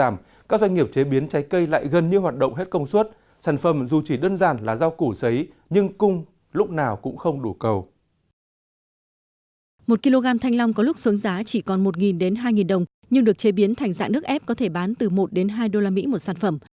một kg thanh long có lúc xuống giá chỉ còn một hai đồng nhưng được chế biến thành dạng nước ép có thể bán từ một hai usd một sản phẩm